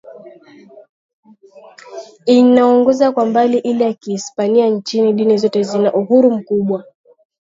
inaongoza kwa mbali ile ya Kihispania Nchini dini zote zina uhuru mkubwa